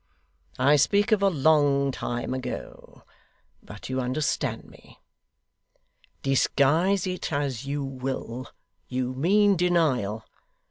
I speak of a long time ago, but you understand me.' 'Disguise it as you will, you mean denial.